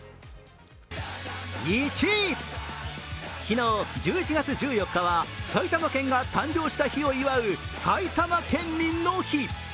昨日、１１月１４日は埼玉県が誕生した日を祝う埼玉県民の日。